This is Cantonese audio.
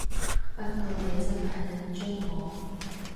不過你真係緊張我